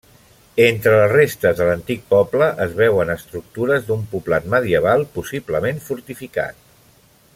Entre les restes de l'antic poble es veuen estructures d'un poblat medieval, possiblement fortificat.